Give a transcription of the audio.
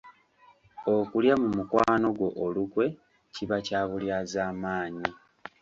Okulya mu mukwano gwo olukwe kiba kya bulyazaamaanyi